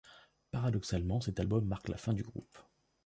Paradoxalement, cet album marque la fin du groupe.